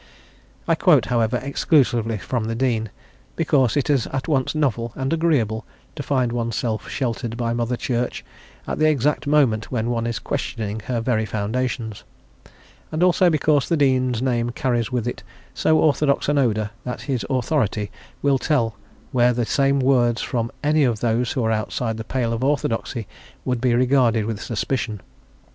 I quote, however, exclusively from the Dean, because it is at once novel and agreeable to find oneself sheltered by Mother Church at the exact moment when one is questioning her very foundations; and also because the Dean's name carries with it so orthodox an odour that his authority will tell where the same words from any of those who are outside the pale of orthodoxy would be regarded with suspicion.